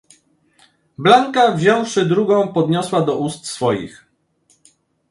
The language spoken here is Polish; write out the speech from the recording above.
"Blanka wziąwszy drugą podniosła do ust swoich."